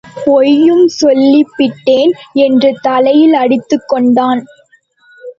பொய்யும் சொல்லிப்பிட்டேன்.. என்று தலையில் அடித்துக் கொண்டான்.